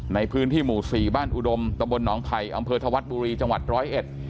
ในพื้นที่หมู่สี่บ้านอุดมตะบลหนองไผ่อำเภอธวัดบุรีจังหวัดร้อยเอ็ด